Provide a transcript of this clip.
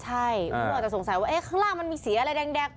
ใช่เขาอาจจะสงสัยว่าข้างล่างมันมีสีอะไรแดง